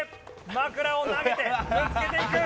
枕を投げてぶつけていく。